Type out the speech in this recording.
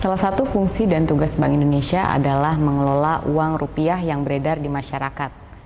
salah satu fungsi dan tugas bank indonesia adalah mengelola uang rupiah yang beredar di masyarakat